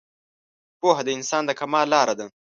پوهه د انسان د کمال لاره ده